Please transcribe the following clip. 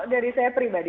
kalau dari saya pribadi